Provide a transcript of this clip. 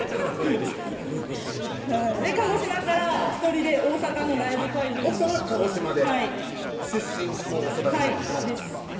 鹿児島から１人で大阪のライブ会場に奥さまは鹿児島ではい出身もお育ちもはいです